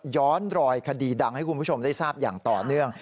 ย้อนรอยคดีดังให้คุณผู้ชมได้ทราบอย่างต่อเนื่อง